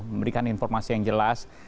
memberikan informasi yang jelas